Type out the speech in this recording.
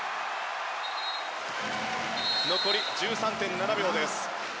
残り１３．７秒です。